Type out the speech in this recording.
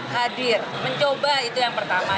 hadir mencoba itu yang pertama